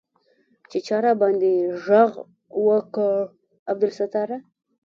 چې چا راباندې ږغ وکړ عبدالستاره.